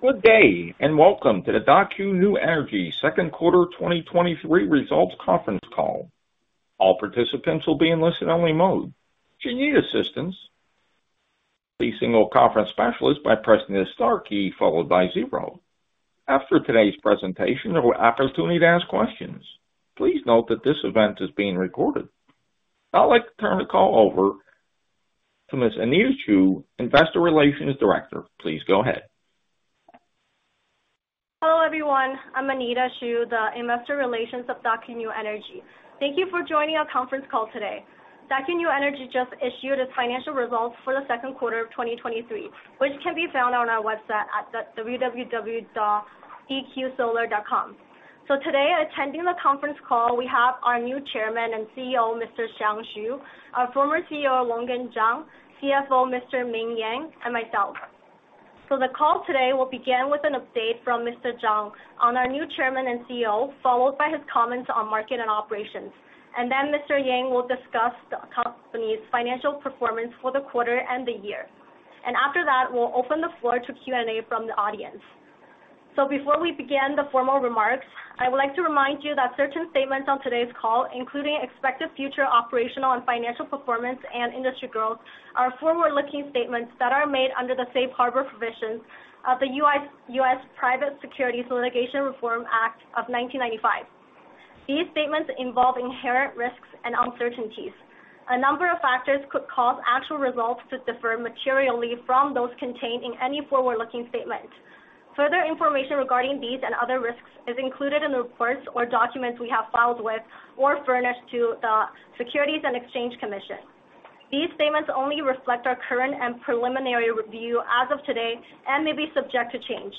Good day, and welcome to the Daqo New Energy second quarter 2023 results conference call. All participants will be in listen-only mode. If you need assistance, please signal a conference specialist by pressing the star key followed by zero. After today's presentation, there will be opportunity to ask questions. Please note that this event is being recorded. I'd like to turn the call over to Ms. Anita Zhu, Investor Relations Director. Please go ahead. Hello, everyone. I'm Anita Zhu, the Investor Relations of Daqo New Energy. Thank you for joining our conference call today. Daqo New Energy just issued its financial results for the second quarter of 2023, which can be found on our website at www.dqsolar.com. Today, attending the conference call, we have our new Chairman and CEO, Mr. Xiang Xu, our former CEO, Longgen Zhang, CFO, Mr. Ming Yang, and myself. The call today will begin with an update from Mr. Zhang on our new Chairman and CEO, followed by his comments on market and operations. Then Mr. Yang will discuss the company's financial performance for the quarter and the year. After that, we'll open the floor to Q&A from the audience. Before we begin the formal remarks, I would like to remind you that certain statements on today's call, including expected future operational and financial performance and industry growth, are forward-looking statements that are made under the Safe Harbor Provisions of the U.S. Private Securities Litigation Reform Act of 1995. These statements involve inherent risks and uncertainties. A number of factors could cause actual results to differ materially from those contained in any forward-looking statement. Further information regarding these and other risks is included in the reports or documents we have filed with or furnished to the Securities and Exchange Commission. These statements only reflect our current and preliminary review as of today and may be subject to change.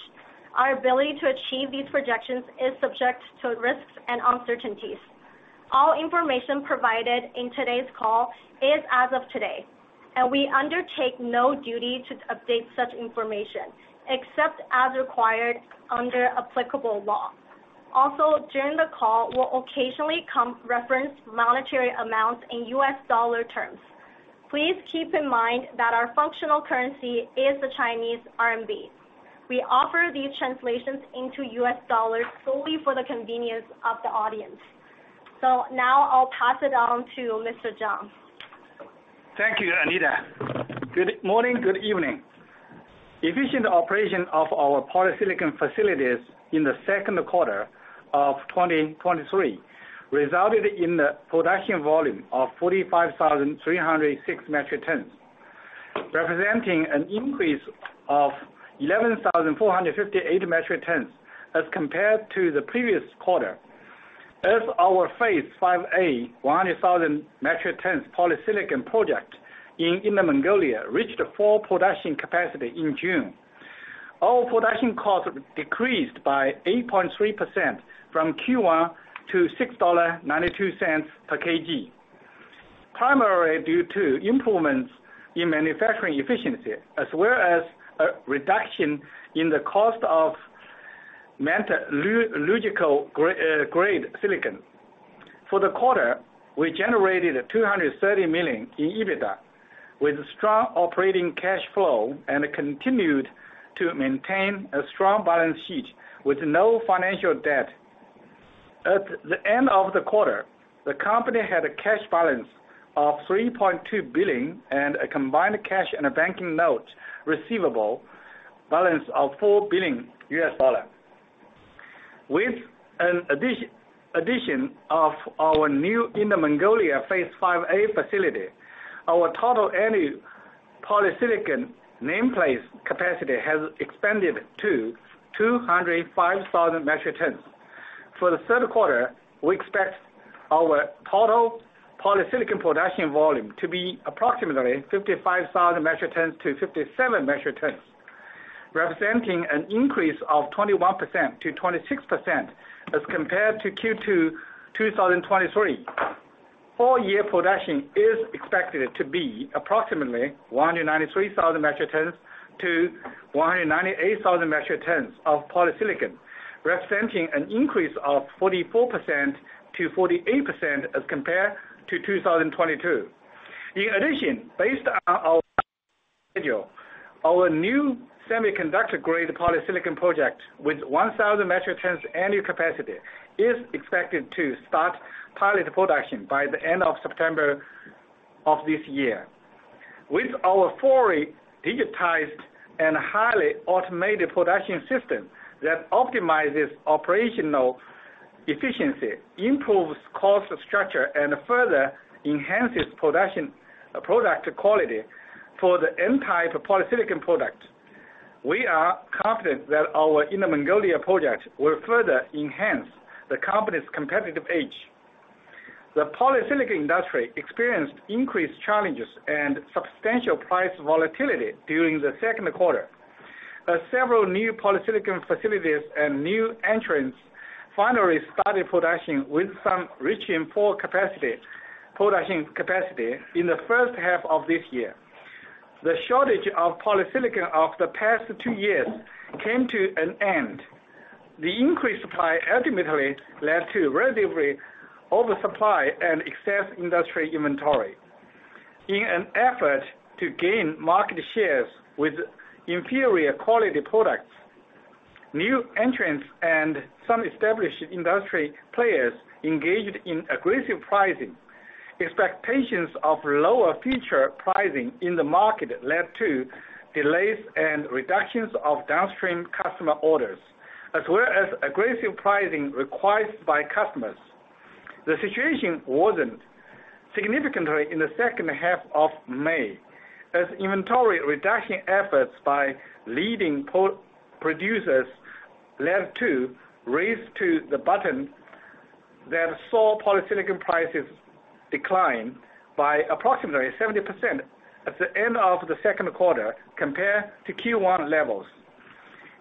Our ability to achieve these projections is subject to risks and uncertainties. All information provided in today's call is as of today, and we undertake no duty to update such information, except as required under applicable law. Also, during the call, we'll occasionally reference monetary amounts in U.S. dollar terms. Please keep in mind that our functional currency is the Chinese RMB. We offer these translations into U.S. dollars solely for the convenience of the audience. Now I'll pass it on to Mr. Zhang. Thank you, Anita. Good morning, good evening. Efficient operation of our polysilicon facilities in the second quarter of 2023 resulted in the production volume of 45,306 metric tons, representing an increase of 11,458 metric tons as compared to the previous quarter. Our Phase 5A, 100,000 metric tons polysilicon project in Inner Mongolia reached full production capacity in June. Our production cost decreased by 8.3% from Q1 to $6.92 per kg, primarily due to improvements in manufacturing efficiency, as well as a reduction in the cost of metallurgical-grade silicon. For the quarter, we generated $230 million in EBITDA, with strong operating cash flow and continued to maintain a strong balance sheet with no financial debt. At the end of the quarter, the company had a cash balance of $3.2 billion and a combined cash and a banking note receivable balance of $4 billion. With an addition of our new Inner Mongolia Phase 5A facility, our total annual polysilicon nameplate capacity has expanded to 205,000 metric tons. For the third quarter, we expect our total polysilicon production volume to be approximately 55,000 metric tons to 57 metric tons, representing an increase of 21%-26% as compared to Q2 2023. All year production is expected to be approximately 193,000 metric tons to 198,000 metric tons of polysilicon, representing an increase of 44%-48% as compared to 2022. In addition, based on our new semiconductor-grade polysilicon project, with 1,000 metric tons annual capacity, is expected to start pilot production by the end of September of this year. With our fully digitized and highly automated production system that optimizes operational efficiency, improves cost structure, and further enhances product quality for the N-type polysilicon product, we are confident that our Inner Mongolia project will further enhance the company's competitive edge. The polysilicon industry experienced increased challenges and substantial price volatility during the second quarter. As several new polysilicon facilities and new entrants finally started production, with some reaching full capacity, production capacity in the first half of this year. The shortage of polysilicon of the past two years came to an end. The increased supply ultimately led to relatively oversupply and excess industry inventory. In an effort to gain market shares with inferior quality products, new entrants and some established industry players engaged in aggressive pricing. Expectations of lower future pricing in the market led to delays and reductions of downstream customer orders, as well as aggressive pricing requests by customers. The situation worsened significantly in the second half of May, as inventory reduction efforts by leading polysilicon producers led to a race to the bottom that saw polysilicon prices decline by approximately 70% at the end of the second quarter compared to Q1 levels.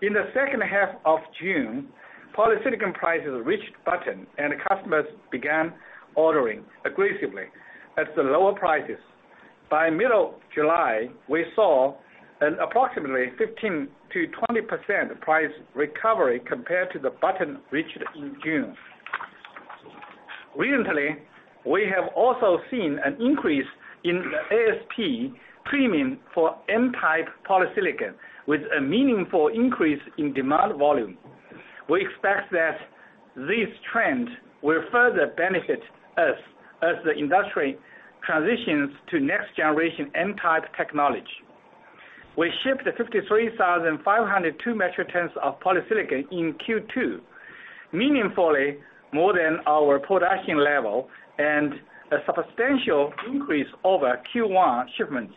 In the second half of June, polysilicon prices reached bottom, and customers began ordering aggressively at the lower prices. By middle of July, we saw an approximately 15%-20% price recovery compared to the bottom reached in June. Recently, we have also seen an increase in the ASP premium for N-type polysilicon, with a meaningful increase in demand volume. We expect that this trend will further benefit us as the industry transitions to next-generation N-type technology. We shipped 53,502 metric tons of polysilicon in Q2, meaningfully more than our production level and a substantial increase over Q1 shipments.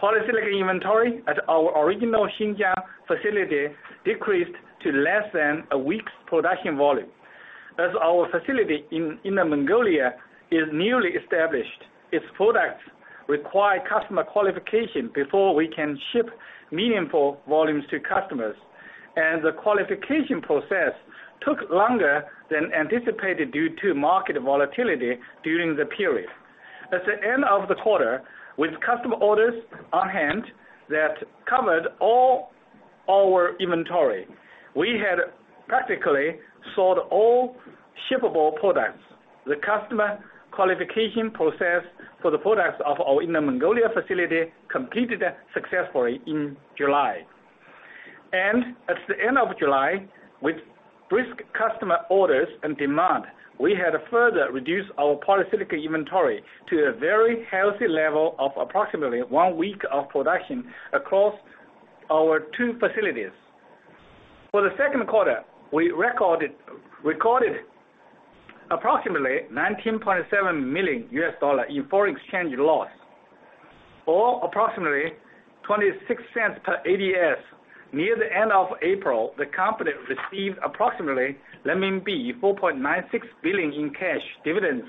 Polysilicon inventory at our original Xinjiang facility decreased to less than a week's production volume. As our facility in Inner Mongolia is newly established, its products require customer qualification before we can ship meaningful volumes to customers, and the qualification process took longer than anticipated due to market volatility during the period. At the end of the quarter, with customer orders on hand that covered all our inventory, we had practically sold all shippable products. The customer qualification process for the products of our Inner Mongolia facility completed successfully in July. At the end of July, with brisk customer orders and demand, we had further reduced our polysilicon inventory to a very healthy level of approximately one week of production across our two facilities. For the second quarter, we recorded approximately $19.7 million in foreign exchange loss, or approximately $0.26 per ADS. Near the end of April, the company received approximately 4.96 billion in cash dividends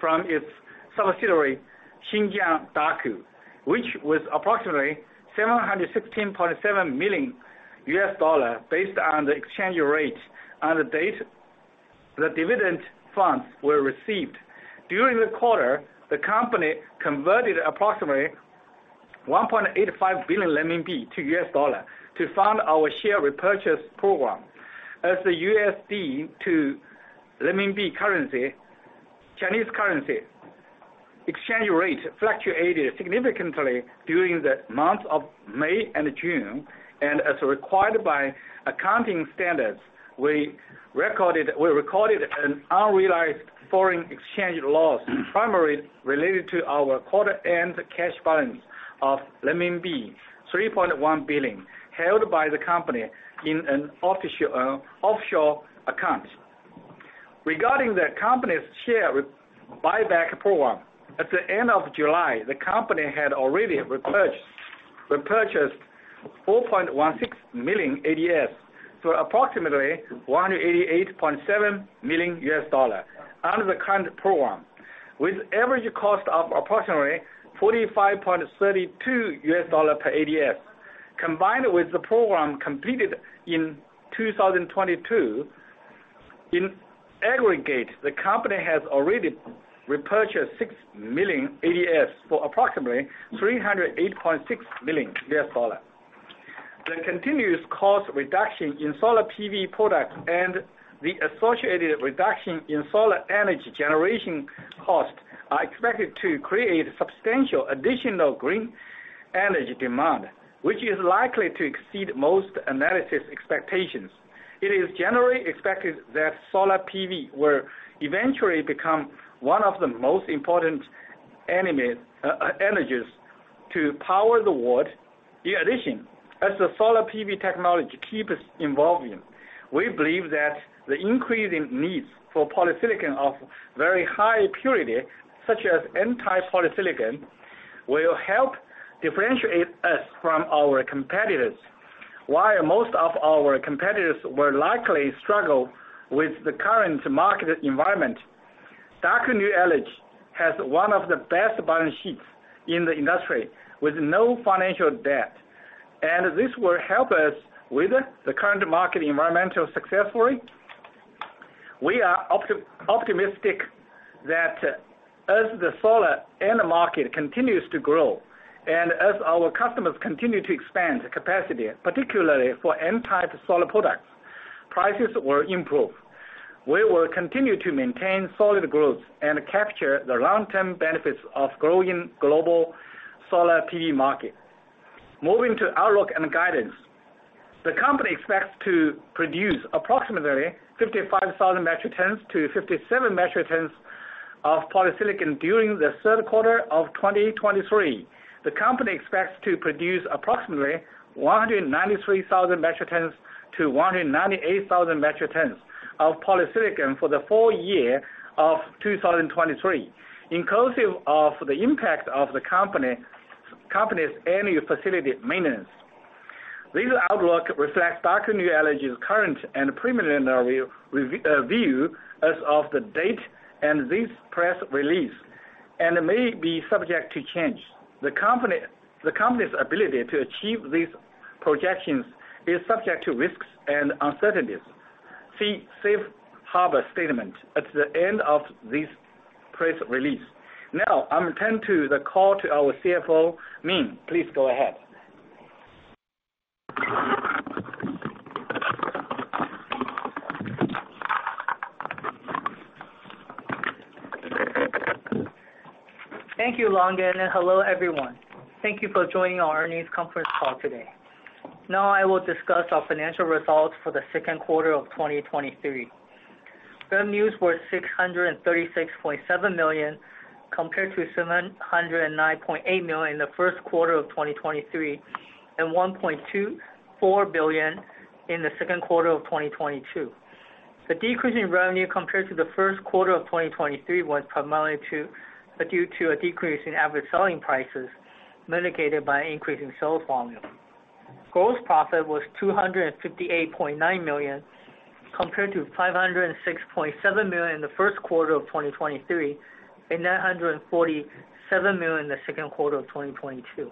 from its subsidiary, Xinjiang Daqo, which was approximately $716.7 million, based on the exchange rate on the date the dividend funds were received. During the quarter, the company converted approximately 1.85 billion RMB to U.S. dollar to fund our share repurchase program. As the USD to Renminbi currency, Chinese currency exchange rate fluctuated significantly during the months of May and June, and as required by accounting standards, we recorded an unrealized foreign exchange loss, primarily related to our quarter-end cash balance of renminbi 3.1 billion, held by the company in an offshore account. Regarding the company's share buyback program, at the end of July, the company had already repurchased 4.16 million ADS for approximately $188.7 million under the current program, with average cost of approximately $45.32 per ADS. Combined with the program completed in 2022, in aggregate, the company has already repurchased 6 million ADS for approximately $308.6 million. The continuous cost reduction in solar PV products and the associated reduction in solar energy generation costs are expected to create substantial additional green energy demand, which is likely to exceed most analysts' expectations. It is generally expected that solar PV will eventually become one of the most important energies to power the world. As the solar PV technology keeps evolving, we believe that the increasing needs for polysilicon of very high purity, such as N-type polysilicon, will help differentiate us from our competitors. While most of our competitors will likely struggle with the current market environment, Daqo New Energy has one of the best balance sheets in the industry, with no financial debt. This will help us with the current market environment successfully? We are optimistic that as the solar end market continues to grow, and as our customers continue to expand the capacity, particularly for N-type solar products, prices will improve. We will continue to maintain solid growth and capture the long-term benefits of growing global solar PV market. Moving to outlook and guidance. The company expects to produce approximately 55,000 metric tons to 57 metric tons of polysilicon during the third quarter of 2023. The company expects to produce approximately 193,000 metric tons to 198,000 metric tons of polysilicon for the full year of 2023, inclusive of the impact of the company's annual facility maintenance. This outlook reflects Daqo New Energy's current and preliminary view as of the date and this press release, and may be subject to change. The company's ability to achieve these projections is subject to risks and uncertainties. See Safe Harbor statement at the end of this press release. Now, I'm turn to the call to our CFO, Ming. Please go ahead. Thank you, Longgen, hello, everyone. Thank you for joining our earnings conference call today. Now I will discuss our financial results for the second quarter of 2023. Revenues were $636.7 million, compared to $709.8 million in the first quarter of 2023, and $1.24 billion in the second quarter of 2022. The decrease in revenue compared to the first quarter of 2023 was primarily due to a decrease in average selling prices, mitigated by an increase in sales volume. Gross profit was $258.9 million, compared to $506.7 million in the first quarter of 2023, and $947 million in the second quarter of 2022.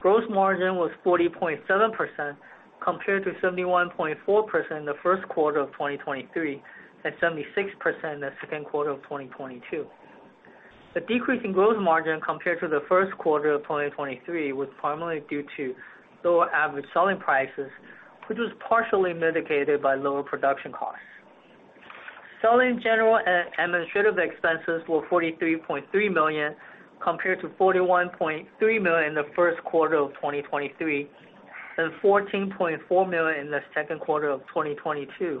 Gross margin was 40.7%, compared to 71.4% in the first quarter of 2023, and 76% in the second quarter of 2022. The decrease in gross margin compared to the first quarter of 2023 was primarily due to lower average selling prices, which was partially mitigated by lower production costs. Selling, general, and administrative expenses were 43.3 million, compared to 41.3 million in the first quarter of 2023, and 14.4 million in the second quarter of 2022.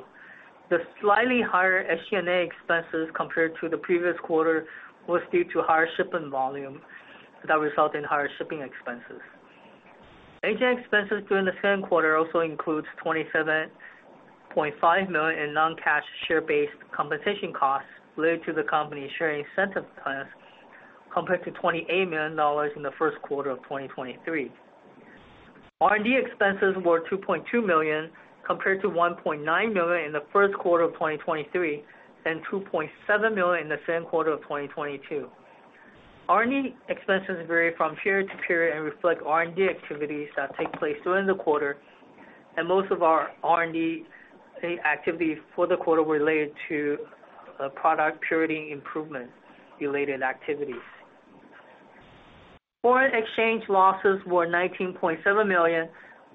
The slightly higher SG&A expenses compared to the previous quarter was due to higher shipping volume that result in higher shipping expenses. SG&A expenses during the second quarter also includes $27.5 million in non-cash share-based compensation costs related to the company's share incentive plans, compared to $28 million in the first quarter of 2023. R&D expenses were $2.2 million, compared to $1.9 million in the first quarter of 2023, and $2.7 million in the same quarter of 2022. R&D expenses vary from period to period and reflect R&D activities that take place during the quarter. Most of our R&D activities for the quarter were related to product purity improvement-related activities. Foreign exchange losses were $19.7 million,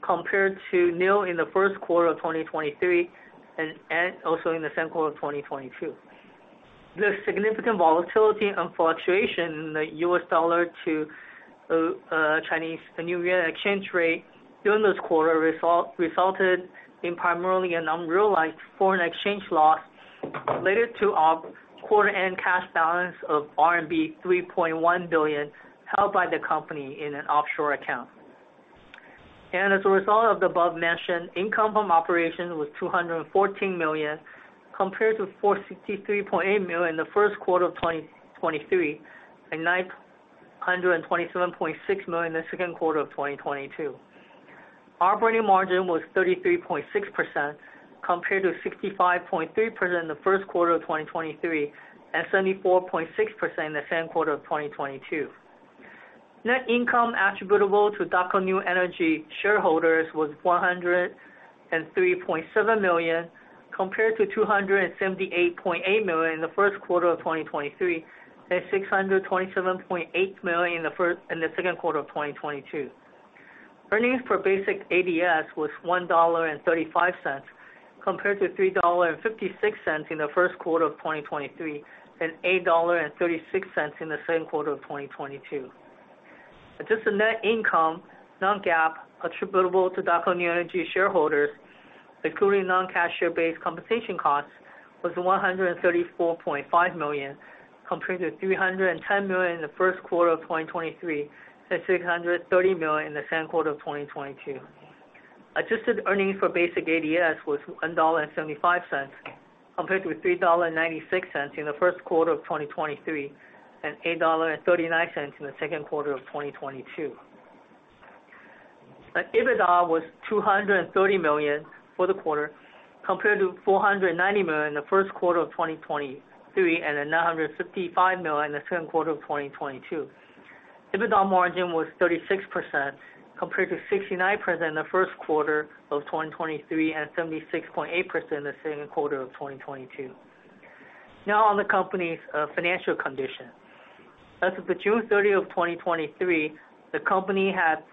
compared to nil in the first quarter of 2023 and also in the second quarter of 2022. The significant volatility and fluctuation in the U.S. dollar to Chinese Renminbi exchange rate during this quarter resulted in primarily an unrealized foreign exchange loss related to our quarter-end cash balance of RMB 3.1 billion, held by the company in an offshore account. As a result of the above mention, income from operations was RMB 214 million, compared to RMB 463.8 million in the first quarter of 2023, and RMB 927.6 million in the second quarter of 2022. Operating margin was 33.6%, compared to 65.3% in the first quarter of 2023, and 74.6% in the same quarter of 2022. Net income attributable to Daqo New Energy shareholders was $103.7 million, compared to $278.8 million in the first quarter of 2023, and $627.8 million in the second quarter of 2022. Earnings per basic ADS was $1.35, compared to $3.56 in the first quarter of 2023, and $8.36 in the same quarter of 2022. Adjust the net income, Non-GAAP, attributable to Daqo New Energy shareholders, including non-cash share-based compensation costs, was $134.5 million, compared to $310 million in the first quarter of 2023, and $630 million in the same quarter of 2022. Adjusted earnings for basic ADS was $1.75, compared to $3.96 in the first quarter of 2023, and $8.39 in the second quarter of 2022. EBITDA was $230 million for the quarter, compared to $490 million in the first quarter of 2023, and $955 million in the second quarter of 2022. Gross margin was 36%, compared to 69% in the first quarter of 2023, and 76.8% in the same quarter of 2022. Now on the company's financial condition. As of the June 30th, 2023, the company had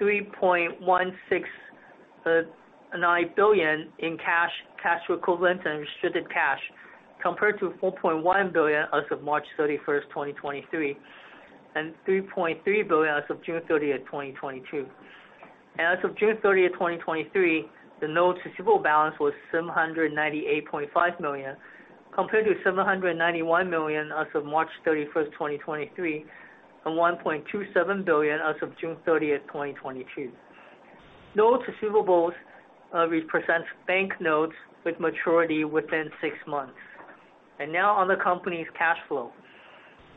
3.169 billion in cash, cash equivalents, and restricted cash, compared to 4.1 billion as of March 31st, 2023, and 3.3 billion as of June 30th, 2022. As of June 30th, 2023, the note receivable balance was 798.5 million, compared to 791 million as of March 31st, 2023, and 1.27 billion as of June 30th, 2022. Note receivables represents bank notes with maturity within 6 months. Now on the company's cash flow.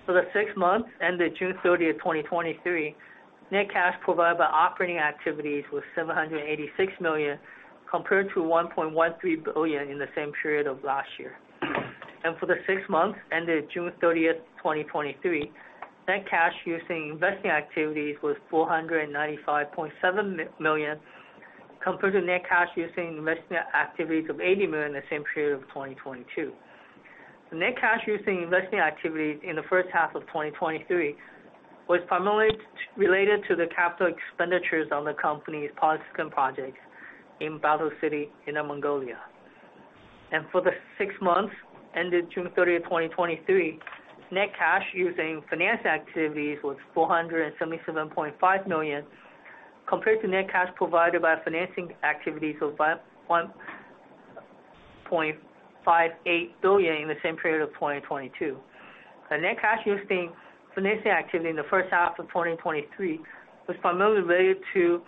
For the six months ended June 30th, 2023, net cash provided by operating activities was 786 million, compared to 1.13 billion in the same period of last year. For the six months ended June 30th, 2023, net cash using investing activities was $495.7 million, compared to net cash using investing activities of $80 million in the same period of 2022. The net cash using investing activities in the first half of 2023 was primarily related to the capital expenditures on the company's polysilicon project in Baotou City, Inner Mongolia. For the six months ended June 30th, 2023, net cash using finance activities was $477.5 million, compared to net cash provided by financing activities of $1.58 billion in the same period of 2022. The net cash using financing activity in the first half of 2023 was primarily related to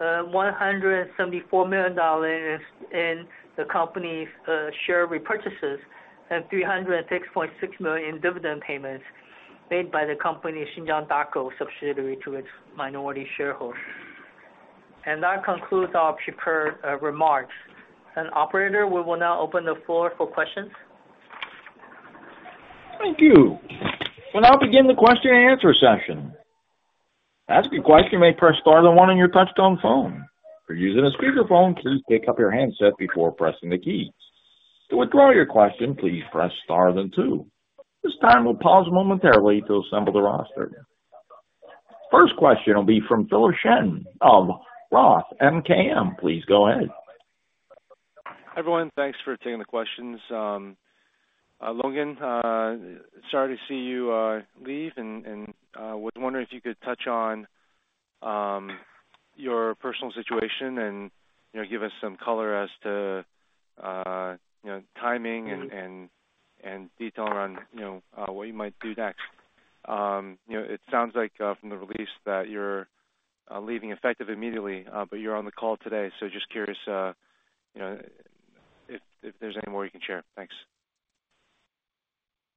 $174 million in the company's share repurchases and $306.6 million in dividend payments made by the company, Xinjiang Daqo, subsidiary to its minority shareholders. That concludes our prepared remarks. Operator, we will now open the floor for questions. Thank you. We'll now begin the question and answer session. To ask a question, you may press star then one on your touchtone phone. If you're using a speakerphone, please pick up your handset before pressing the keys. To withdraw your question, please press star then two. This time, we'll pause momentarily to assemble the roster. First question will be from Philip Shen of ROTH MKM. Please go ahead. Hi, everyone. Thanks for taking the questions. Longgen, sorry to see you leave and was wondering if you could touch on your personal situation and, you know, give us some color as to, you know, timing. Mm-hmm. - and, and, and detail on, you know, what you might do next. You know, it sounds like from the release that you're leaving effective immediately, but you're on the call today, so just curious, you know, if, if there's any more you can share. Thanks.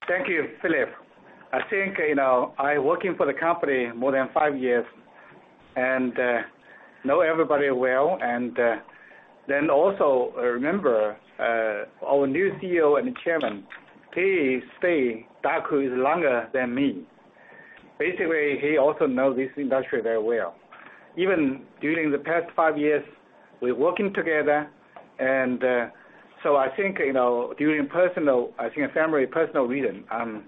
Thank you, Philip. I think, you know, I working for the company more than five years and, know everybody well. Then also, remember, our new CEO and Chairman, he stay Daqo is longer than me. Basically, he also know this industry very well. Even during the past five years, we're working together and, I think, you know, during personal, I think a family personal reason, I'm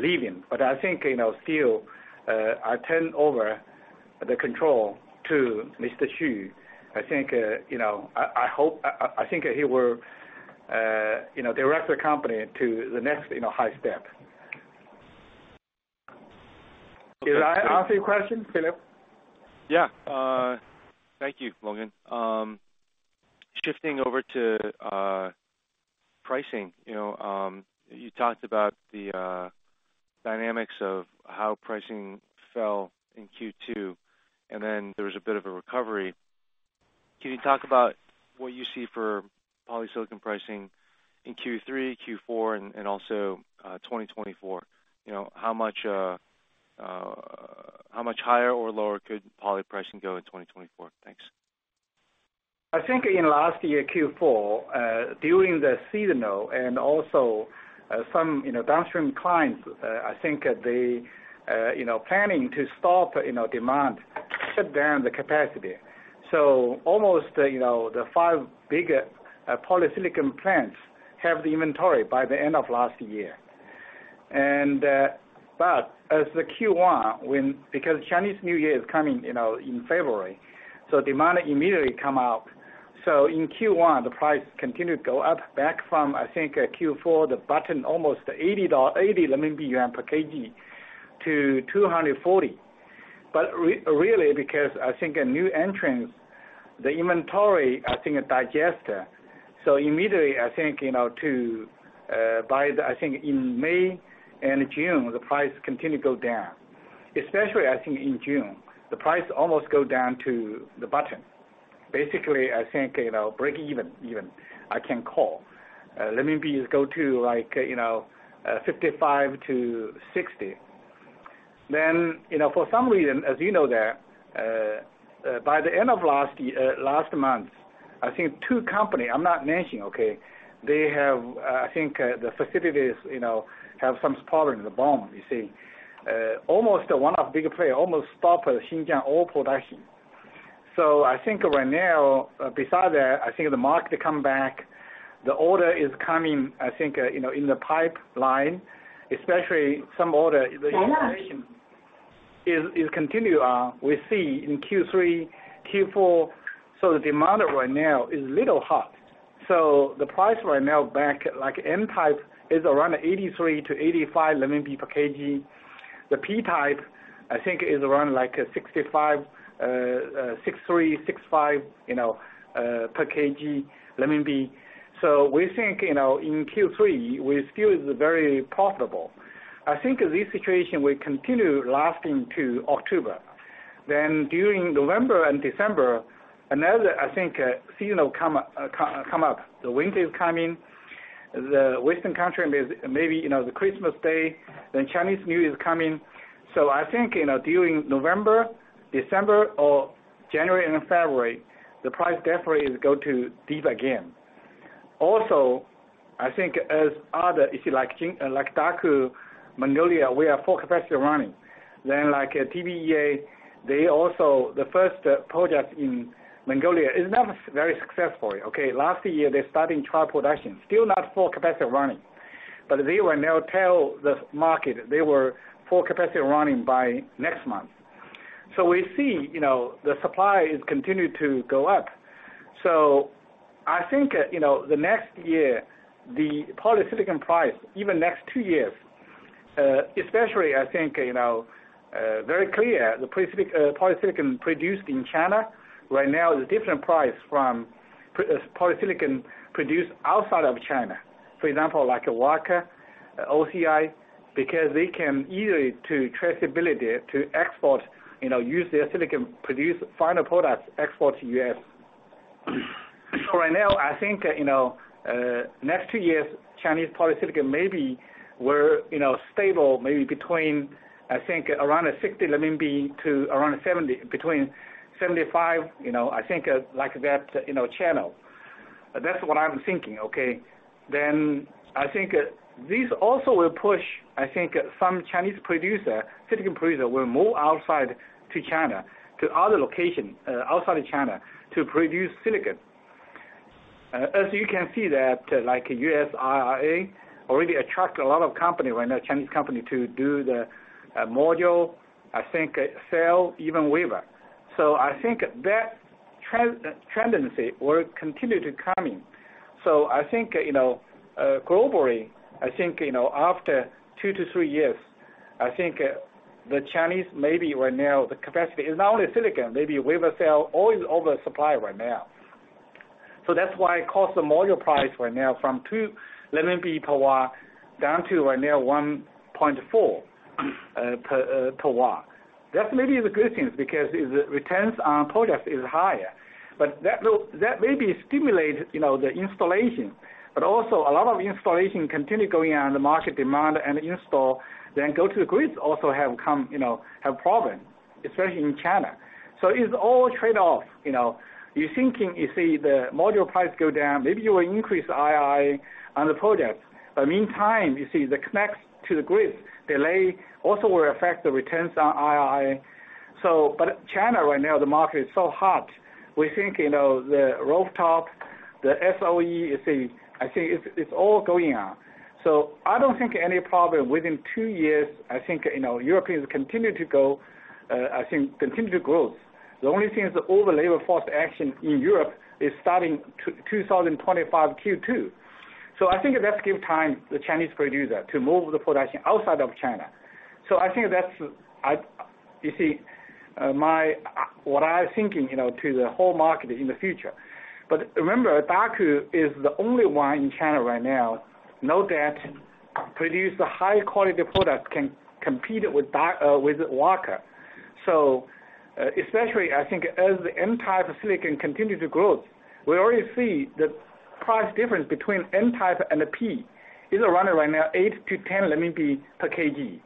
leaving. I think, you know, still, I turn over the control to Mr. Xu. I think, you know, I hope, I think he will, you know, direct the company to the next, you know, high step. Did I answer your question, Philip? Yeah. Thank you, Longgen. Shifting over to pricing, you know, you talked about the dynamics of how pricing fell in Q2, and then there was a bit of a recovery. Can you talk about what you see for polysilicon pricing in Q3, Q4, and, and also, 2024? You know, how much higher or lower could poly pricing go in 2024? Thanks. I think in last year, Q4, during the seasonal and also, some, you know, downstream clients, I think they, you know, planning to stop, you know, demand, shut down the capacity. Almost, you know, the 5 bigger polysilicon plants have the inventory by the end of last year. As the Q1, because Chinese New Year is coming, you know, in February, so demand immediately come up. In Q1, the price continued to go up, back from, I think, Q4, the bottom, almost 80 RMB yuan per kg to 240. Really, because I think a new entrance, the inventory, I think, digested. Immediately, I think, you know, I think in May and June, the price continued to go down. Especially, I think in June, the price almost go down to the bottom. Basically, I think, you know, breakeven even, I can call. RMB go to like, you know, 55-60. You know, for some reason, as you know that... by the end of last year, last month, I think two company, I'm not mentioning, okay? They have, I think, the facilities, you know, have some problem in the bottom, you see. Almost one of the bigger player almost stop Xinjiang all production. So I think right now, beside that, I think the market come back. The order is coming, I think, you know, in the pipeline, especially some order- Yeah. is, is continue, we see in Q3, Q4. The demand right now is a little hot. The price right now back, like, N-type is around 83-85 renminbi per kg. The P-type, I think, is around, like, 65, 63, 65, you know, per kg renminbi. We think, you know, in Q3, we still is very profitable. I think this situation will continue lasting to October. During November and December, another, I think, seasonal come up, come, come up. The winter is coming. The western country is maybe, you know, the Christmas Day, then Chinese New Year is coming. I think, you know, during November, December, or January, and February, the price definitely is go to deep again. Also, I think as other, if you like, Daqo, Mongolia, we are full capacity running. Like, TBEA, they also, the first project in Mongolia is not very successful. Okay, last year, they started trial production, still not full capacity running, but they will now tell the market they were full capacity running by next month. We see, you know, the supply is continued to go up. I think, you know, the next year, the polysilicon price, even next two years, especially, I think, you know, very clear, the polysilicon produced in China right now is different price from polysilicon produced outside of China. For example, like Wacker, OCI, because they can easily to traceability to export, you know, use their silicon, produce final products, export to U.S. For right now, I think, you know, next two years, Chinese polysilicon maybe were, you know, stable, maybe between, I think, around 60 RMB to around 70, between 75, you know, I think, like that, you know, channel. That's what I'm thinking, okay? I think, this also will push, I think, some Chinese producer, silicon producer, will move outside to China, to other locations, outside of China, to produce silicon. As you can see that, like, U.S. IRA already attract a lot of company right now, Chinese company, to do the, module, I think, sell, even wafer. I think that tendency will continue to coming. I think, you know, globally, I think, you know, after 2-3-years, I think, the Chinese maybe right now, the capacity is not only silicon, maybe wafer cell, all is oversupply right now. That's why it cost the module price right now from 2 per watt down to right now 1.4 per watt. That maybe is a good thing because it returns on product is higher, but that maybe stimulate, you know, the installation, but also a lot of installation continue going on the market demand and install, then go to the grids also have come, you know, have problem, especially in China. It's all trade-off, you know. You're thinking, you see the module price go down, maybe you will increase II on the product. Meantime, you see the connects to the grid delay also will affect the returns on II. China right now, the market is so hot. We think, you know, the rooftop, the SOE, you see, I think it's all going on. I don't think any problem within two years, I think, you know, Europeans continue to go, I think, continue to growth. The only thing is all the labor force action in Europe is starting 2025 Q2. I think that give time to the Chinese producer to move the production outside of China. I think that's, you see, my, what I thinking, you know, to the whole market in the future. Remember, Daqo is the only one in China right now, no debt, produce a high-quality product, can compete with Wacker. Especially, I think as the N-type silicon continue to growth, we already see the price difference between N-type and the P is around right now 8-10 RMB per kg.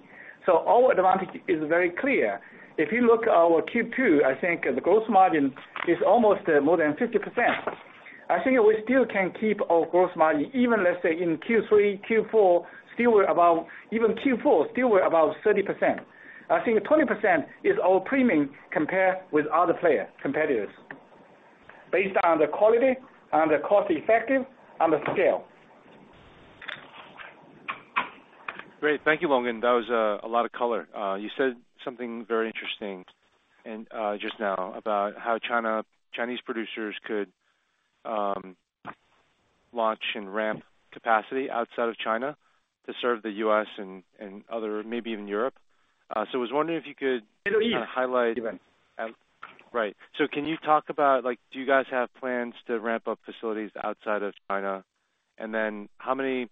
Our advantage is very clear. If you look at our Q2, I think the gross margin is almost more than 50%. I think we still can keep our gross margin, even let's say in Q3, Q4, still we're about, even Q4, still we're about 30%. I think 20% is our premium compared with other player, competitors, based on the quality, on the cost-effective, on the scale. Great. Thank you, Longgen Zhang. That was a lot of color. You said something very interesting and just now about how Chinese producers could launch and ramp capacity outside of China to serve the U.S. and, and other, maybe even Europe. I was wondering if you could- Middle East. kind of highlight. Right. Can you talk about, do you guys have plans to ramp up facilities outside of China? How many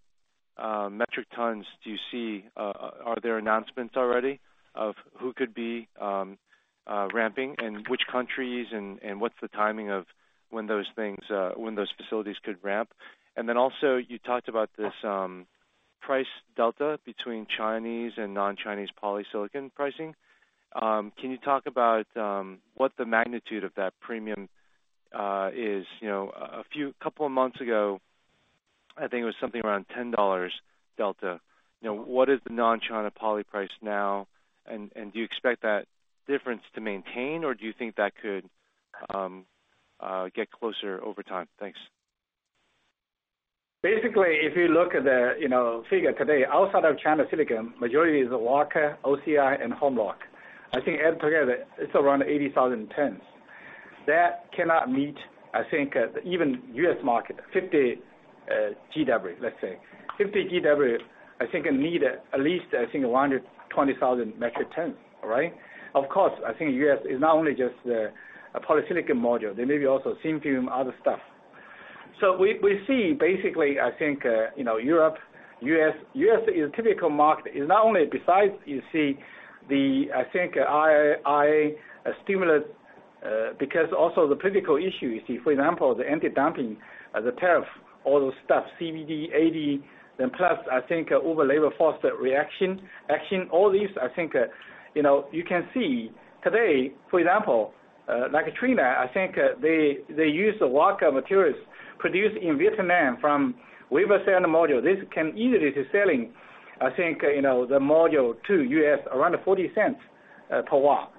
metric tons do you see? Are there announcements already of who could be ramping, and which countries, and what's the timing of when those things, when those facilities could ramp? Also, you talked about this price delta between Chinese and non-Chinese polysilicon pricing. Can you talk about what the magnitude of that premium is? You know, a couple of months ago, I think it was something around $10 delta. You know, what is the non-China poly price now? Do you expect that difference to maintain, or do you think that could get closer over time? Thanks. Basically, if you look at the, you know, figure today, outside of China silicon, majority is Wacker, OCI and Hemlock. I think add together, it's around 80,000 tons. That cannot meet, I think, even U.S. market, 50 GW, let's say. 50 GW, I think it need at least, I think 120,000 metric ton, all right? Of course, I think U.S. is not only just the, a polysilicon module, there may be also thin film, other stuff. We, we see basically, I think, you know, Europe, U.S. U.S. is a typical market, is not only besides you see the, I think, IA, stimulus, because also the political issue, you see, for example, the anti-dumping, the tariff, all those stuff, CVD, AD, plus, I think over-labor force reaction, action. All these, I think, you know, you can see today, for example, like Trina, I think, they, they use the Wacker materials produced in Vietnam from wafer silicon module. This can easily to selling, I think, you know, the module to U.S. around $0.40 per watt.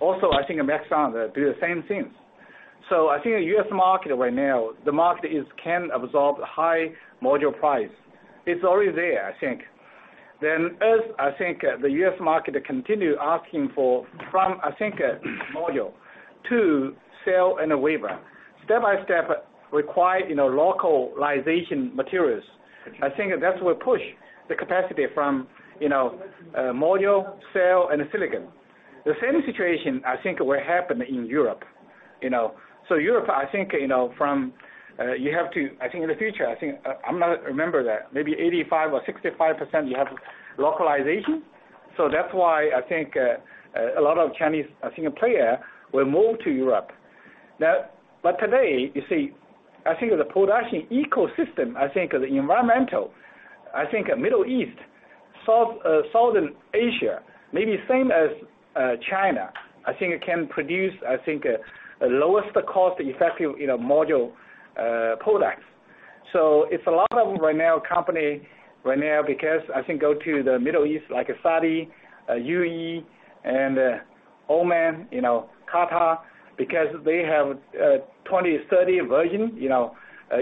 Also, I think Maxeon do the same things. I think the U.S. market right now, the market is can absorb high module price. It's already there, I think. As I think, the U.S. market continue asking for, from, I think, module to sell in a wafer. Step by step, require, you know, localization materials. I think that will push the capacity from, you know, module, cell and silicon. The same situation I think will happen in Europe, you know. Europe, I think, you know, from, you have to... I think in the future, I think, I'm not remember that, maybe 85% or 65% you have localization. That's why I think, a lot of Chinese, I think, player will move to Europe. Today, you see, I think the production ecosystem, I think the environmental, I think Middle East, South, Southern Asia, maybe same as China, I think it can produce, I think, the lowest cost effective, you know, module, products. It's a lot of right now company right now, because I think go to the Middle East, like Saudi, UAE and, Oman, you know, Qatar, because they have 20, 30 virgin, you know,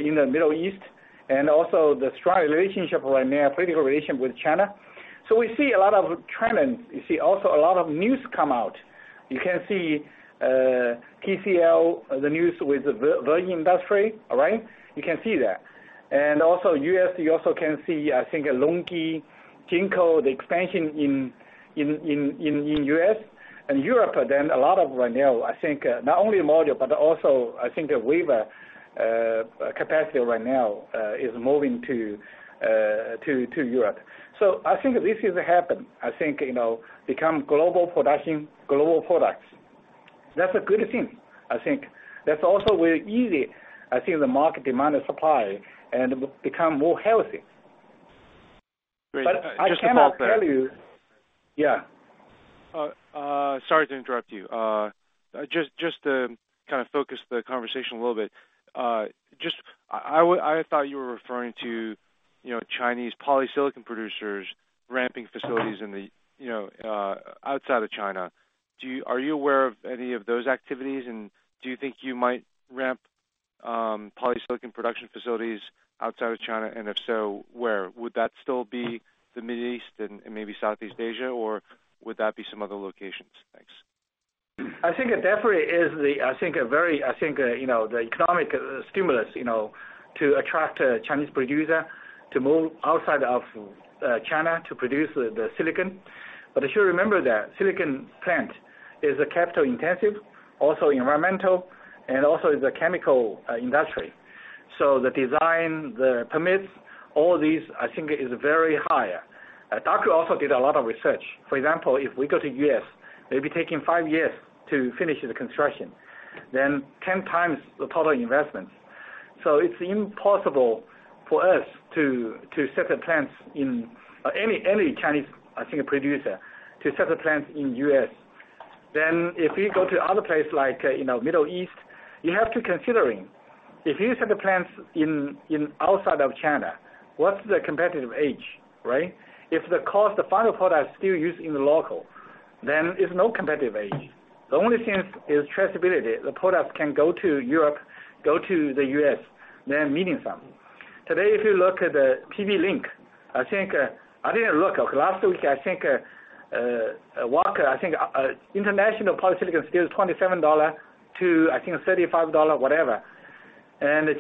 in the Middle East, and also the strong relationship right now, political relationship with China. We see a lot of trends. You see also a lot of news come out. You can see TCL, the news with the virgin industry. All right? You can see that. Also U.S., you also can see, I think, LONGi, Jinko, the expansion in U.S. and Europe. A lot of right now, I think, not only module, but also I think the wafer capacity right now, is moving to Europe. I think this is happen. I think, you know, become global production, global products. That's a good thing, I think. That's also very easy. I think the market demand and supply and become more healthy. Great. Just to pause there. I cannot tell you. Yeah. Sorry to interrupt you. Just to kind of focus the conversation a little bit, I thought you were referring to, you know, Chinese polysilicon producers ramping facilities in the, you know, outside of China. Are you aware of any of those activities? Do you think you might ramp polysilicon production facilities outside of China? If so, where? Would that still be the Middle East and maybe Southeast Asia, or would that be some other locations? Thanks. I think it definitely is the, I think, a very, you know, the economic, stimulus, you know, to attract, Chinese producer to move outside of, China to produce the, the silicon. You should remember that silicon plant is a capital-intensive, also environmental, and also is a chemical, industry. The design, the permits, all these, I think, is very higher. Daqo also did a lot of research. For example, if we go to U.S., maybe taking five years to finish the construction, 10 times the total investment. It's impossible for us to, to set the plants in, any, any Chinese, I think, producer, to set the plants in U.S. If you go to other place, like, you know, Middle East, you have to considering, if you set the plants in, in outside of China, what's the competitive edge, right? If the cost, the final product still used in the local, then there's no competitive edge. The only thing is, is traceability. The product can go to Europe, go to the U.S., then meaning something. Today, if you look at the PV InfoLink, I think, I didn't look. Last week, I think, Wacker, I think, international polysilicon is still $27-$35, whatever.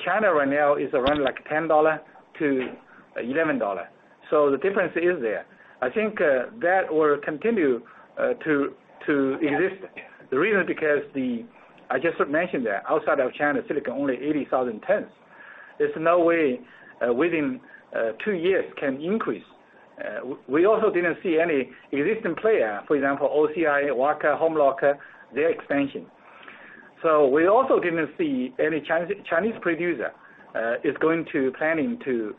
China right now is around, like, $10-$11. The difference is there. I think, that will continue to exist. The reason because I just mentioned that outside of China, silicon only 80,000 tons. There's no way, within two years, can increase. We also didn't see any existing player, for example, OCI, Wacker, Hemlock, their expansion. We also didn't see any Chinese, Chinese producer is going to planning to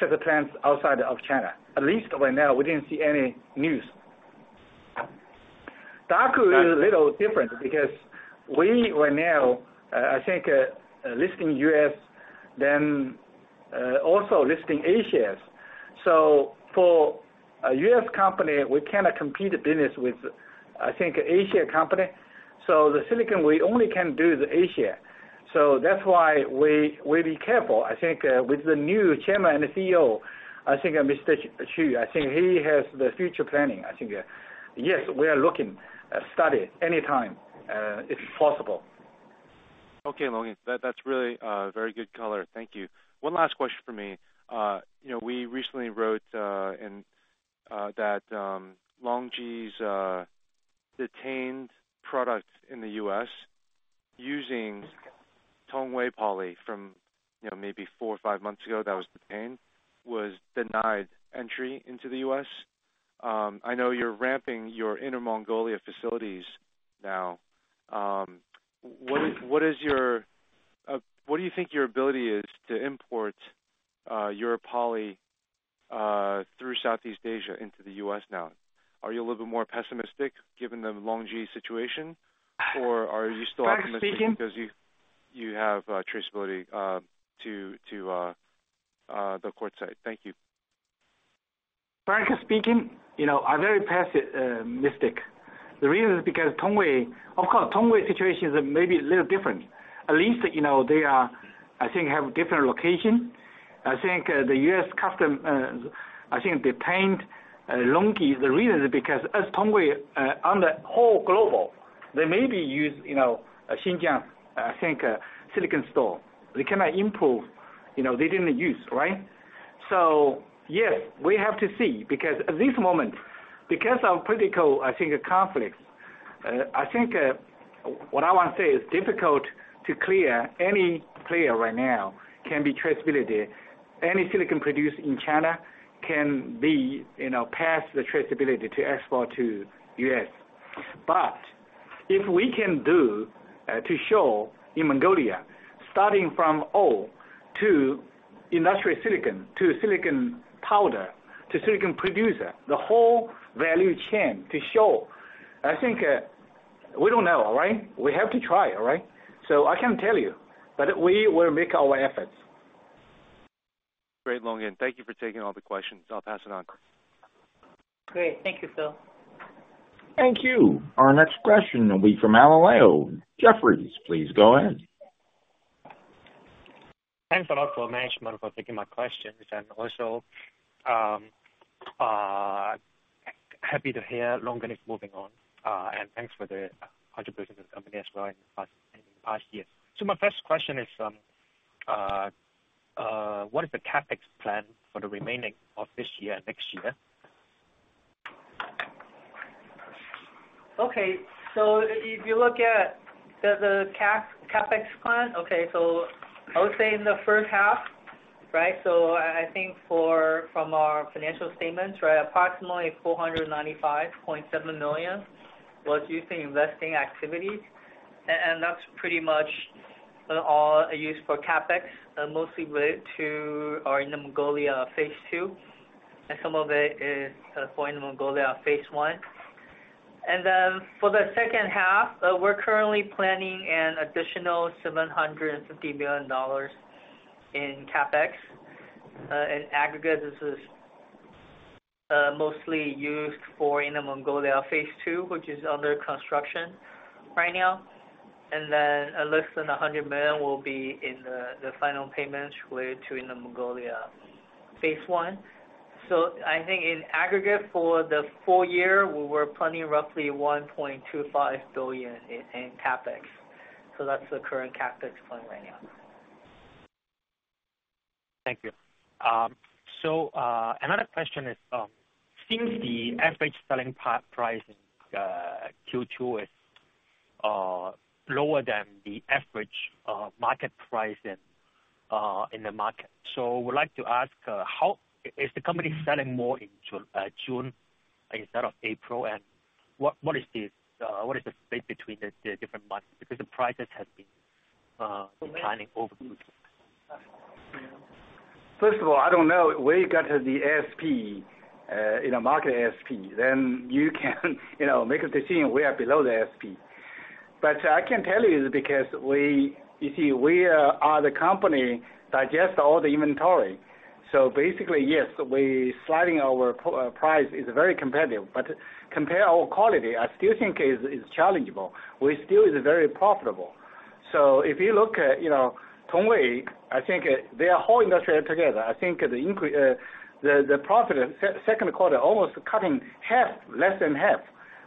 set the plants outside of China. At least right now, we didn't see any news. Daqo is a little different because we are now, I think, listing US, then also listing Asia. For a US company, we cannot compete a business with, I think, Asia company. The silicon, we only can do the Asia. That's why we, we be careful. I think, with the new chairman and the CEO, I think, Mr. Xu, I think he has the future planning, I think. Yes, we are looking, study anytime, if possible. Okay, Longgen Zhang, that, that's really very good color. Thank you. One last question for me. You know, we recently wrote in that LONGi's detained product in the U.S. using Tongwei poly from, you know, maybe four or five months ago, that was detained, was denied entry into the U.S. I know you're ramping your Inner Mongolia facilities now. What is, what is your, what do you think your ability is to import your poly through Southeast Asia into the U.S. now? Are you a little bit more pessimistic given the LONGi situation, or are you still- Frankly speaking. -optimistic because you, you have traceability to the quartz site? Thank you. Frankly speaking, you know, I'm very mystic. The reason is because Tongwei... Of course, Tongwei situation is maybe a little different. At least, you know, they are, I think, have different location. I think, the U.S. custom, I think detained LONGi. The reason is because as Tongwei, on the whole global, they maybe use, you know, Xinjiang, I think, silicon store. They cannot improve, you know, they didn't use, right? Yes, we have to see, because at this moment, because of political, I think, conflict, I think, what I want to say, it's difficult to clear any player right now, can be traceability. Any silicon produced in China can be, you know, pass the traceability to export to U.S. If we can do, to show in Mongolia, starting from ore to industrial silicon, to silicon powder, to silicon producer, the whole value chain to show, I think, we don't know, all right? We have to try, all right? I can't tell you, but we will make our efforts. Great, Longgen. Thank you for taking all the questions. I'll pass it on. Great. Thank you, Phil. Thank you. Our next question will be from Alan Lau, Jefferies. Please go ahead. Thanks a lot for management for taking my questions, and also, happy to hear Longgeng is moving on, and thanks for the 100% of the company as well in the past, in the past years. My first question is, what is the CapEx plan for the remaining of this year and next year? Okay. If you look at the, the CapEx plan, I would say in the first half, right? I think for, from our financial statements, right, approximately $495.7 million was used in investing activities, and that's pretty much all used for CapEx, mostly related to our Inner Mongolia phase two, and some of it is for Inner Mongolia Phase 5A. For the second half, we're currently planning an additional $750 million in CapEx. In aggregate, this is mostly used for Inner Mongolia phase two, which is under construction right now. Less than $100 million will be in the, the final payments related to Inner Mongolia Phase 5A. I think in aggregate for the full year, we were planning roughly $1.25 billion in CapEx. That's the current CapEx plan right now. Thank you. Another question is: Since the average selling price in Q2 is lower than the average market price in the market. I would like to ask: Is the company selling more in June instead of April? What, what is the space between the different months? Because the prices have been declining over the months. First of all, I don't know where you got the ASP, you know, market ASP, you can, you know, make a decision we are below the ASP. I can tell you is because we, you see, we are the company digest all the inventory. Basically, yes, we sliding our price is very competitive, compare our quality, I still think is, is challengeable. We still is very profitable. If you look at, you know, Tongwei, I think, their whole industry together, I think the, the profit, second quarter, almost cutting half, less than half.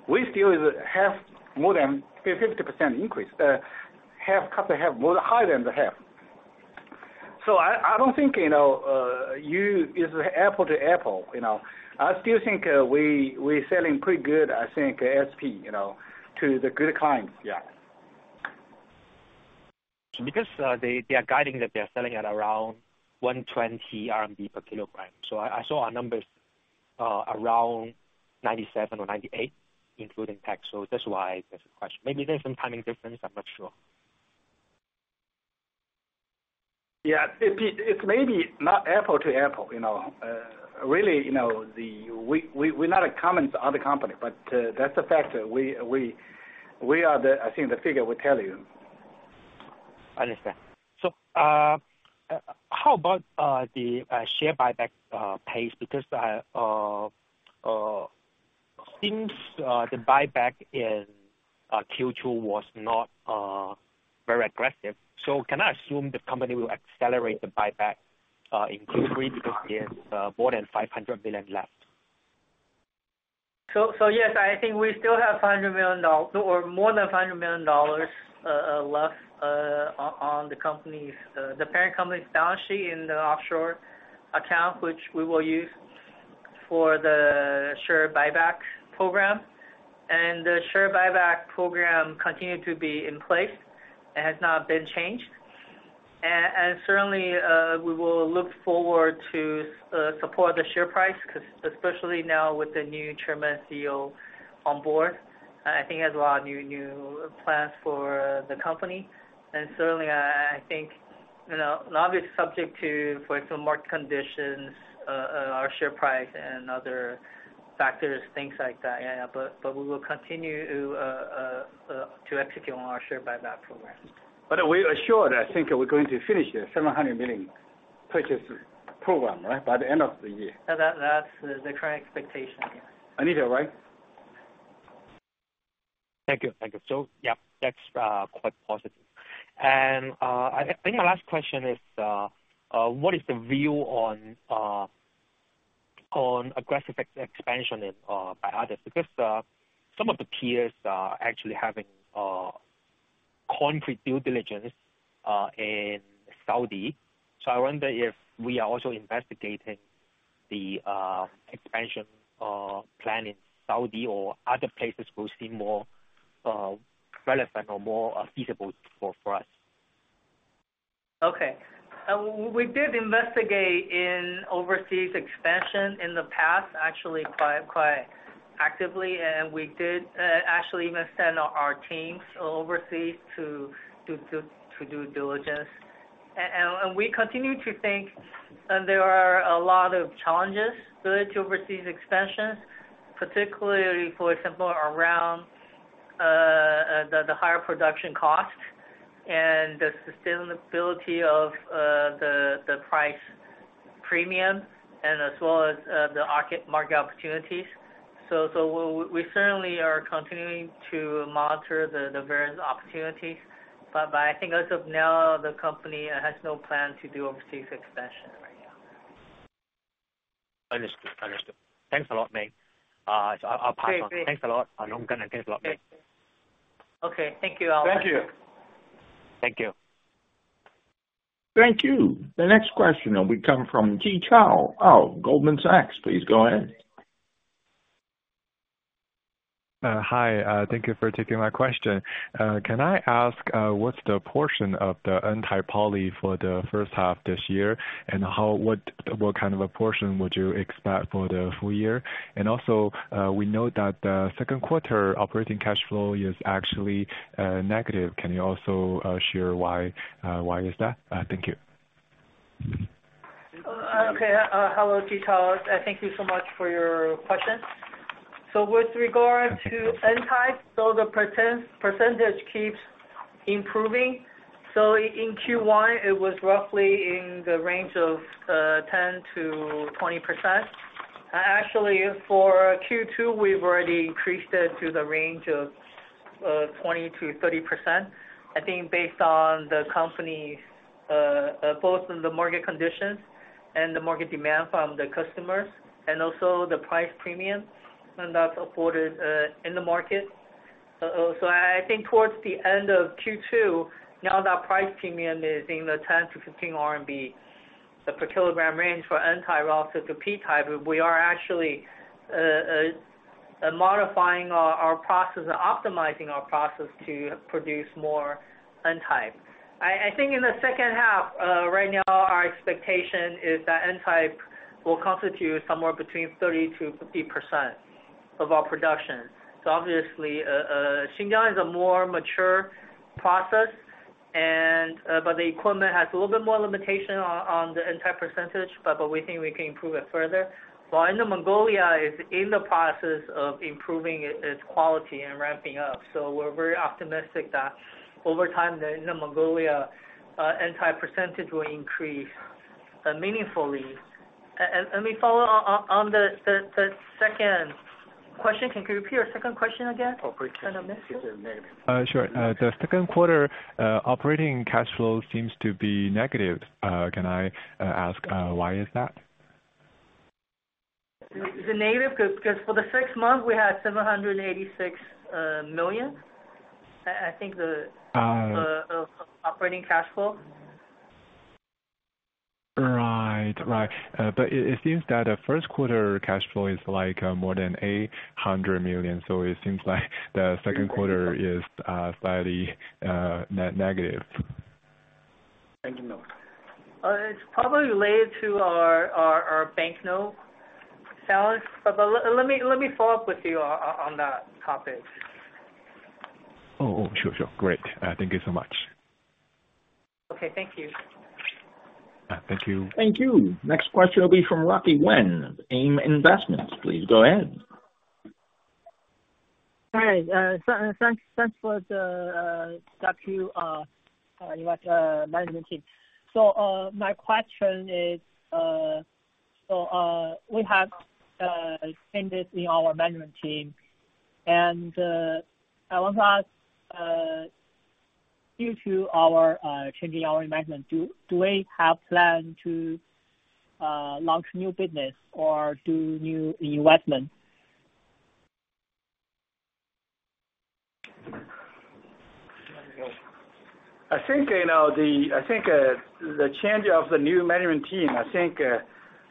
We still is half more than 50% increase, half, cut the half, more higher than the half. I don't think, you know, you, it's apple to apple, you know. I still think, we, we're selling pretty good, I think, ASP, you know, to the good clients. Yeah. Because they, they are guiding that they are selling at around 120 RMB per kilogram. I saw our numbers around 97 or 98, including tax. That's why there's a question. Maybe there's some timing difference, I'm not sure. Yeah, it's maybe not apple to apple, you know. really, you know, we, we, we're not a comment to other company, but that's a fact that we are the... I think the figure will tell you. Understand. How about the share buyback pace? Because since the buyback in Q2 was not very aggressive, so can I assume the company will accelerate the buyback in Q3 because there's more than $500 million left? Yes, I think we still have $500 million, or more than $500 million, left on the company's, the parent company's balance sheet in the offshore account, which we will use for the share buyback program. The share buyback program continued to be in place and has not been changed. Certainly, we will look forward to support the share price, because especially now with the new Chairman and CEO on board, I think he has a lot of new, new plans for the company. Certainly, I think, you know, obvious subject to, for example, market conditions, our share price and other factors, things like that. Yeah, we will continue to execute on our share buyback program. We are sure that I think we're going to finish the $700 million purchase program, right. By the end of the year. That, that's the current expectation, yeah. I need it, right? Thank you. Thank you. Yeah, that's quite positive. I, I think my last question is, what is the view on aggressive expansion in by others? Some of the peers are actually having concrete due diligence in Saudi. I wonder if we are also investigating the expansion plan in Saudi or other places we see more relevant or more feasible for us. Okay. We did investigate in overseas expansion in the past, actually, quite, quite actively, and we did, actually even send our teams overseas to do diligence. We continue to think that there are a lot of challenges related to overseas expansions, particularly, for example, around the higher production cost and the sustainability of the price premium and as well as the market, market opportunities. We certainly are continuing to monitor the various opportunities, but I think as of now, the company has no plan to do overseas expansion right now. Understood. Understood. Thanks a lot, Ming. I'll pass on. Great. Thanks a lot, and I'm gonna get a lot. Okay. Thank you all. Thank you. Thank you. Thank you. The next question will come from JiChao of Goldman Sachs. Please go ahead. Hi, thank you for taking my question. Can I ask, what's the portion of the N-type poly for the first half this year, and how, what, what kind of a portion would you expect for the full year? And also, we know that the second quarter operating cash flow is actually negative. Can you also share why, why is that? Thank you. Hello, JiChao. Thank you so much for your question. With regard to N-type, the percentage keeps improving. In Q1, it was roughly in the range of 10%-20%. Actually, for Q2, we've already increased it to the range of 20%-30%. I think based on the company's, both the market conditions and the market demand from the customers, and also the price premium, and that's afforded in the market. I think towards the end of Q2, now that price premium is in the 10-15 RMB per kilogram range for N-type rather to P-type. We are actually modifying our process and optimizing our process to produce more N-type. I think in the second half, right now, our expectation is that N-type will constitute somewhere between 30%-50% of our production. Obviously, Xinjiang is a more mature process and, but the equipment has a little bit more limitation on the N-type percentage, but we think we can improve it further. While Inner Mongolia is in the process of improving its quality and ramping up, we're very optimistic that over time, the Inner Mongolia N-type percentage will increase meaningfully. We follow on the second question. Can you repeat your second question again? Operating cash flow. I missed it. Sure. The second quarter, operating cash flow seems to be negative. Can I ask why is that? The negative, because for the sixth month, we had 786 million. I think the- Ah. - operating cash flow. ... Right, right. It seems that the first quarter cash flow is like more than $800 million. It seems like the second quarter is slightly negative. Thank you, Noah. It's probably related to our bank note balance. But let me follow up with you on that topic. Oh, oh, sure, sure. Great. Thank you so much. Okay. Thank you. Thank you. Thank you. Next question will be from Rocky Wen of AIM Investments. Please go ahead. Hi. Thanks, thanks for the, thank you, investment, management team. My question is, so, we have attended in our management team, and, I want to ask, due to our changing our management, do, do we have plan to launch new business or do new investment? I think, you know, the I think, the change of the new management team, I think,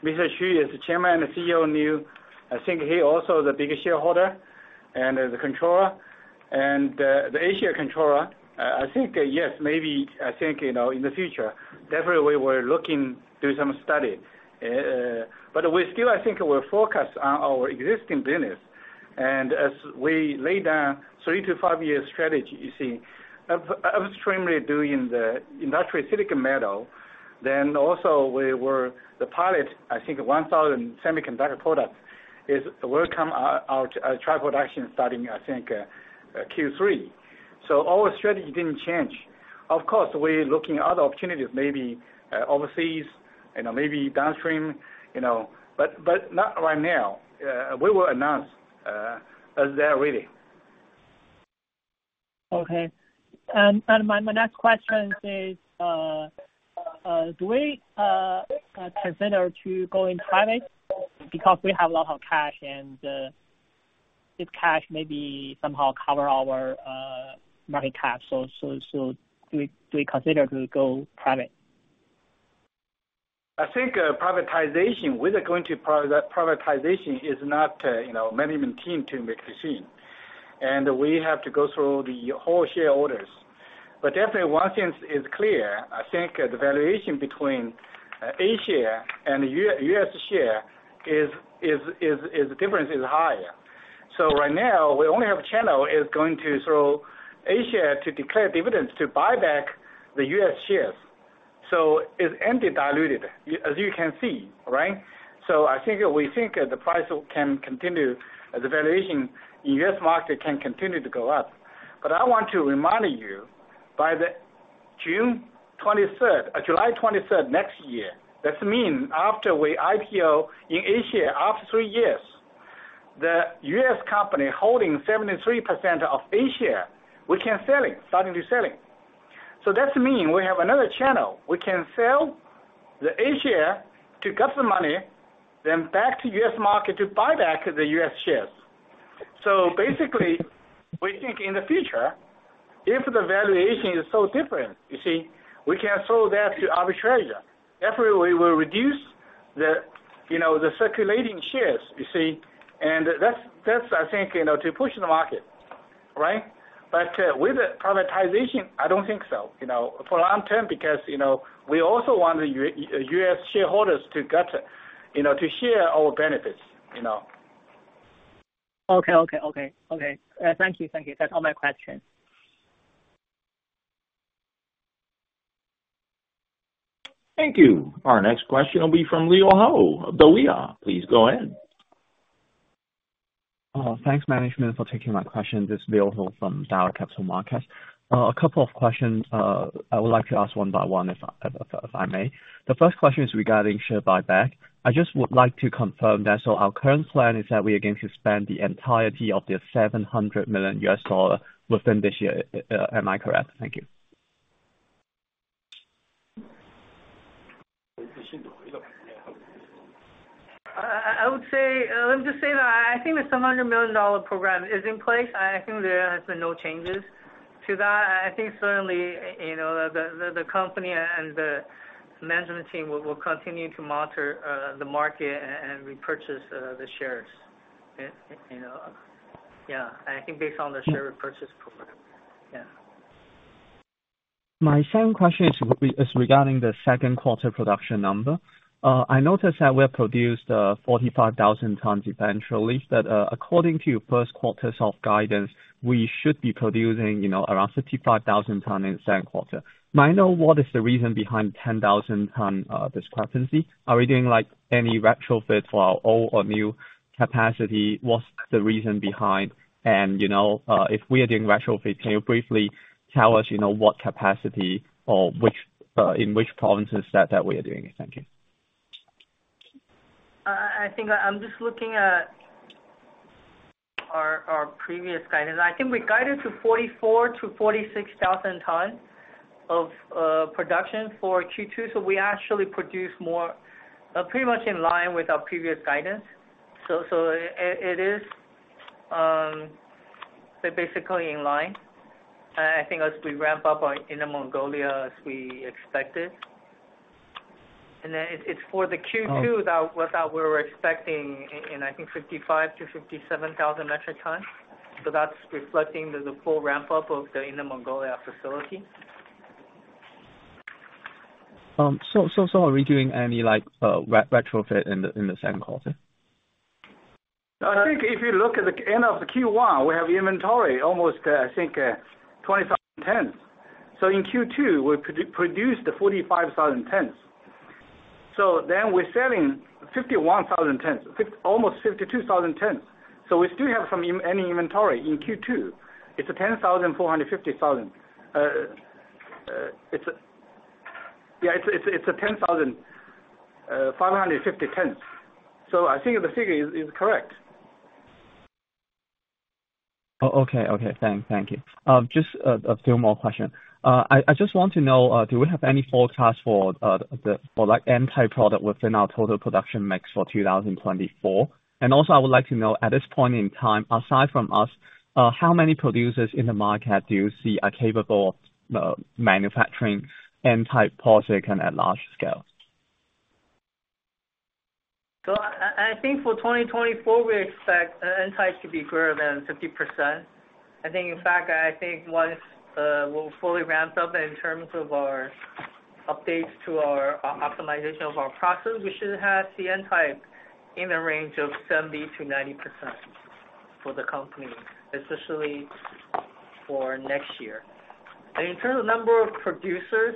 Mr. Xu is the Chairman and CEO new. I think he also the biggest shareholder and the controller, and, the Asia controller. I think, yes, maybe, I think, you know, in the future, definitely we're looking to do some study. We still, I think, we're focused on our existing business. As we lay down 3-5-year strategy, you see, upstream, we're doing the industrial silicon metal, then also we were the pilot, I think 1,000 semiconductor products is will come out as trial production starting, I think, Q3. Our strategy didn't change. Of course, we're looking at other opportunities, maybe, overseas, you know, maybe downstream, you know, but, but not right now. We will announce, as they are ready. Okay. My, my next question is, do we consider to going private? Because we have a lot of cash, and this cash maybe somehow cover our market cap. Do we consider to go private? I think, privatization, whether going to privatization is not, you know, management team to make decision. We have to go through the whole shareholders. Definitely one thing is clear, I think the valuation between A-share and U.S. share is the difference is higher. Right now, we only have channel is going to through Asia to declare dividends to buy back the U.S. shares. It's anti-diluted, as you can see, right? I think, we think the price can continue, the valuation in U.S. market can continue to go up. I want to remind you, by the June 23rd, July 23rd next year, that mean after we IPO in Asia, after three years, the U.S. company holding 73% of A-share, we can sell it, starting to selling. That mean we have another channel. We can sell the A-share to get the money, then back to U.S. market to buy back the U.S. shares. Basically, we think in the future, if the valuation is so different, you see, we can sell that to arbitrageur. Definitely, we will reduce the, you know, the circulating shares, you see, and that's, that's, I think, you know, to push the market, right? With the privatization, I don't think so, you know, for long term, because, you know, we also want the U.S. shareholders to get, you know, to share our benefits, you know. Okay. Thank you. That's all my questions. Thank you. Our next question will be from Leo Ho of Daiwa. Please go ahead. Thanks, management, for taking my question. This is Leo Ho from Daiwa Capital Markets. A couple of questions, I would like to ask one by one, if I may. The first question is regarding share buyback. I just would like to confirm that our current plan is that we are going to spend the entirety of the $700 million within this year. Am I correct? Thank you. I would say, let me just say that I think the $700 million program is in place. I think there has been no changes to that. I think certainly, you know, the company and the management team will continue to monitor the market and repurchase the shares. You know, yeah, I think based on the share repurchase program. Yeah. My second question is regarding the second quarter production number. I noticed that we have produced 45,000 tons eventually, but according to your first quarters of guidance, we should be producing, you know, around 55,000 ton in second quarter. May I know what is the reason behind 10,000 ton discrepancy? Are we doing, like, any retrofit for our old or new capacity? What's the reason behind? And, you know, if we are doing retrofit, can you briefly tell us, you know, what capacity or which in which provinces that, that we are doing it? Thank you. I think I'm just looking at our, our previous guidance. I think we guided to 44,000-46,000 tons of production for Q2, we actually produced more, pretty much in line with our previous guidance. Basically in line, and I think as we ramp up our Inner Mongolia as we expected. It's for the Q2 that we're expecting in, I think 55,000-57,000 metric tons. That's reflecting the full ramp-up of the Inner Mongolia facility. Are we doing any, like, re- retrofit in the, in the second quarter? I think if you look at the end of the Q1, we have inventory almost, I think, 27 tons. In Q2, we produced 45,000 tons. We're selling 51,000 tons, almost 52,000 tons. We still have some in, any inventory in Q2. It's a 10,450,000. It's a 10,550 tons. I think the figure is, is correct. Oh, okay, okay. Thank, thank you. Just a few more questions. I just want to know, do we have any forecast for the, for, like, N-type product within our total production mix for 2024? Also, I would like to know, at this point in time, aside from us, how many producers in the market do you see are capable of manufacturing N-type polysilicon at large scale? I think for 2024, we expect N-type to be greater than 50%. I think, in fact, I think once we're fully ramped up in terms of our updates to our optimization of our process, we should have the N-type in the range of 70%-90% for the company, especially for next year. In terms of number of producers,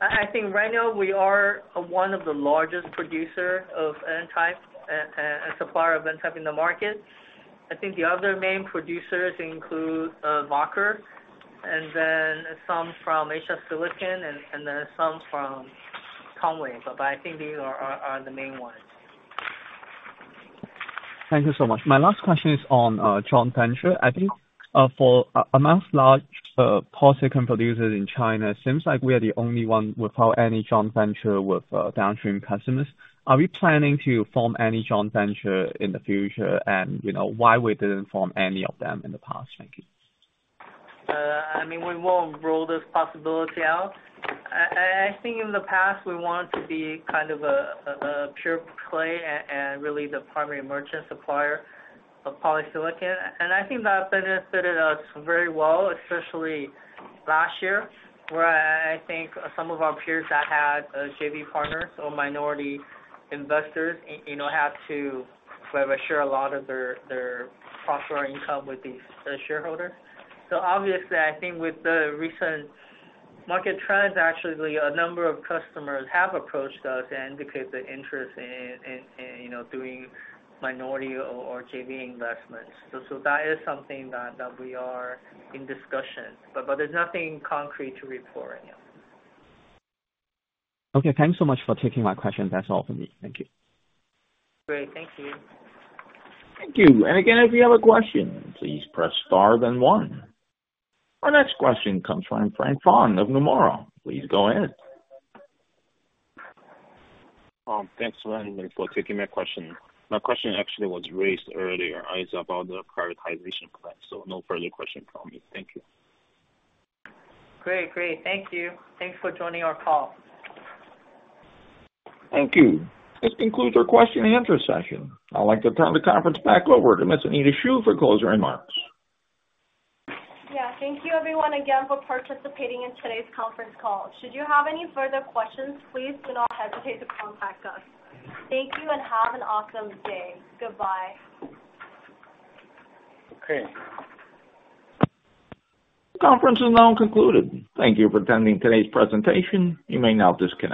I think right now we are one of the largest producer of N-type and supplier of N-type in the market. I think the other main producers include Wacker, and then some from Asia Silicon, and then some from Tongwei. I think these are the main ones. Thank you so much. My last question is on joint venture. I think, for amongst large, polysilicon producers in China, seems like we are the only one without any joint venture with downstream customers. Are we planning to form any joint venture in the future? You know, why we didn't form any of them in the past? Thank you. I mean, we won't rule this possibility out. I think in the past, we want to be kind of a pure play and really the primary merchant supplier of polysilicon. I think that benefited us very well, especially last year, where I think some of our peers that had a JV partner or minority investors, you know, had to forever share a lot of their, their profit or income with these shareholders. Obviously, I think with the recent market trends, actually, a number of customers have approached us and indicated their interest in, you know, doing minority or JV investments. That is something that, that we are in discussion, but there's nothing concrete to report yet. Okay, thanks so much for taking my question. That's all for me. Thank you. Great. Thank you. Thank you. Again, if you have a question, please press star then one. Our next question comes from Frank Fang of Nomura. Please go ahead. Thanks very much for taking my question. My question actually was raised earlier. It's about the privatization plan, so no further question from me. Thank you. Great. Great. Thank you. Thanks for joining our call. Thank you. This concludes our question and answer session. I'd like to turn the conference back over to Miss Anita Zhu for closing remarks. Yeah. Thank you everyone again for participating in today's conference call. Should you have any further questions, please do not hesitate to contact us. Thank you and have an awesome day. Goodbye. Okay. The conference is now concluded. Thank you for attending today's presentation. You may now disconnect.